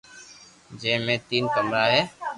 جي مي تين ڪمرا ھي